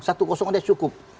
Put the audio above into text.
satu kosong aja cukup